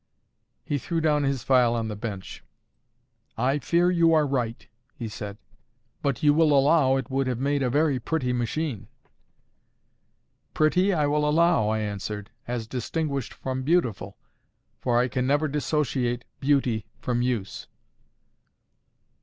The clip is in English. He threw down his file on the bench. "I fear you are right," he said. "But you will allow it would have made a very pretty machine." "Pretty, I will allow," I answered, "as distinguished from beautiful. For I can never dissociate beauty from use."